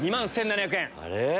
あれ？